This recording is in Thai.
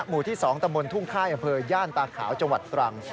๑๐๑หมู่ที่๒ตมทุ่งค่ายอเผลอย่านตาขาวจังหวัดตรัง